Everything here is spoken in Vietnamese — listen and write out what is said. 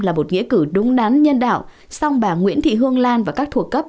là một nghĩa cử đúng đắn nhân đạo song bà nguyễn thị hương lan và các thuộc cấp